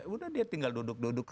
udah dia tinggal duduk duduk